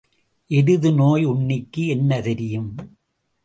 எருது நோய் உண்ணிக்கு என்ன தெரியும்?